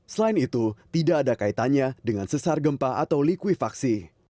selain itu tidak ada kaitannya dengan sesar gempa atau likuifaksi